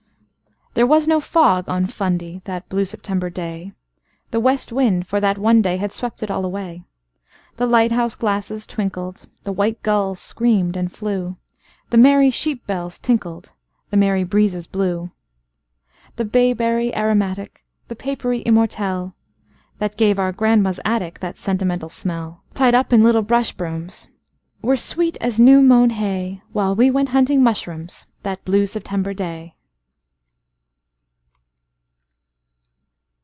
There was no fog on FundyThat blue September day; The west wind, for that one day, Had swept it all away. The lighthouse glasses twinkled, The white gulls screamed and flew, The merry sheep bells tinkled, The merry breezes blew. The bayberry aromatic, The papery immortelles(That give our grandma's atticThat sentimental smell, Tied up in little brush brooms)Were sweet as new mown hay, While we went hunting mushroomsThat blue September day.